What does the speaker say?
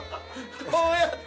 こうやって。